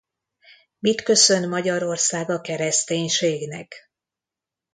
Mit köszön Magyarország a kereszténységnek?